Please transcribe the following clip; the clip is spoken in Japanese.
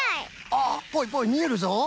あっぽいぽいみえるぞ。